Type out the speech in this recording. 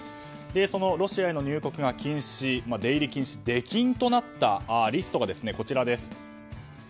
そのロシアへの入国が禁止出入り禁止出禁となったリストがこちらです。